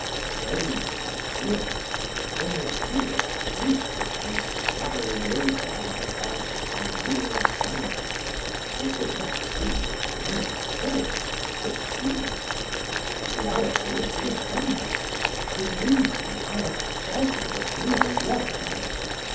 Strange eclipse, when the hue of truth comes shadowing over our bright ideal planet. It will not seem the planet's fault, but truth's. Reality is the offender; delusion our treasure that we are robbed of.